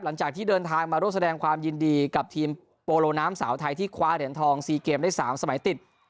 หลังจากที่เดินทางมาร่วมแสดงความยินดีกับทีมโปโลน้ำสาวไทยที่คว้าเหรียญทอง๔เกมได้๓สมัยติด